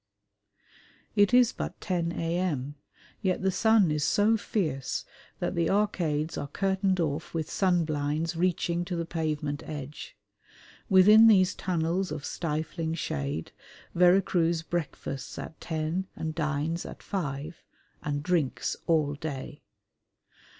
It is but 10 a.m., yet the sun is so fierce that the arcades are curtained off with sunblinds reaching to the pavement edge. Within these tunnels of stifling shade, Vera Cruz breakfasts at ten and dines at five, and drinks all day.